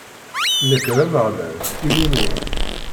Nekk, d Ameɣlal, Illu-nwen.